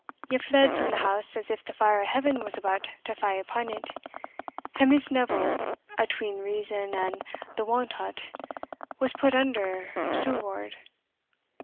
Ye fled from the house as if the fire o' Heaven was about to fa' upon it, and Miss Neville, atween reason and the want o't, was put under sure ward.